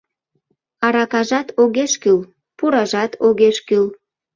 Аракажат огеш кӱл, пуражат огеш кӱл.